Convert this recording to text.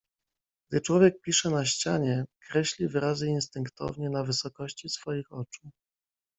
"Gdy człowiek pisze na ścianie, kreśli wyrazy instynktownie na wysokości swoich oczu."